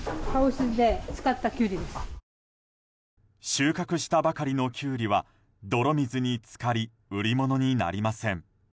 収穫したばかりのキュウリは泥水に浸かり売り物になりません。